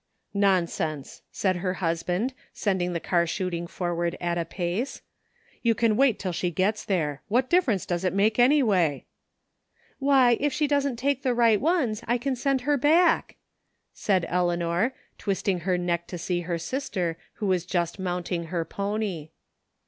Nonsense !" said her husband, sending the car shooting forward at a pace. " You can wait till she gets there. What difference does it make anyway ?"" Why, if she doesn't take the right ones I can 212 THE FINDING OF JASPER HOLT send her back," said Eleanor, twisting her neck to see her sister, who was just mounting her pony.